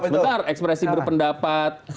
bentar ekspresi berpendapat